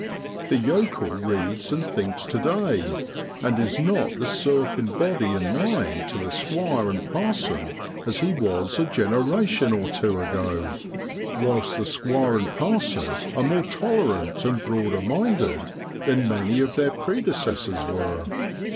The yokel reads and thinks to day, and is not the serf in body and mind to the squire and parson as he was a generation or two ago, whilst the squire and parson are more tolerant and broader minded than many of their predecessors were.